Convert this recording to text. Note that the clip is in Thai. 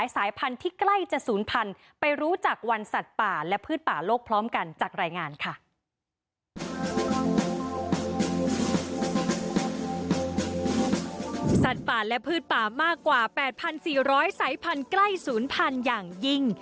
สัตว์ป่าและพืชป่ามากกว่า๘๔๐๐สายพันธุ์ใกล้ศูนย์พันธุ์อย่างยิ่ง